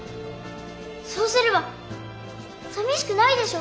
そうすればさみしくないでしょ！